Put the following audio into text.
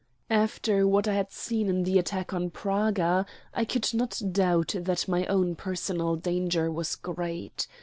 After what I had seen in the attack on Praga, I could not doubt that my own personal danger was great.